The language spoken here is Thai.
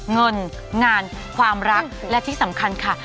เงินงานความรักและที่สำคัญค่ะ